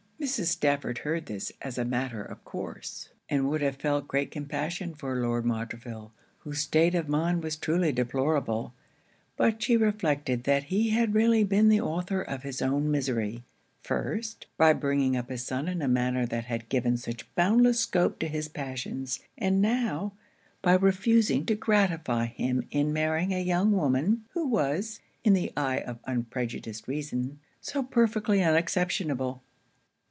Mrs. Stafford heard this as matter of course; and would have felt great compassion for Lord Montreville, whose state of mind was truly deplorable, but she reflected that he had really been the author of his own misery: first, by bringing up his son in a manner that had given such boundless scope to his passions; and now, by refusing to gratify him in marrying a young woman, who was, in the eye of unprejudiced reason, so perfectly unexceptionable.